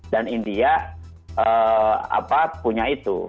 dan india punya itu